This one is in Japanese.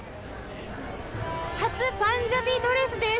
初パンジャビドレスです。